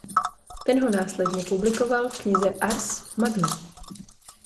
Ten ho následně publikoval v knize "Ars magna".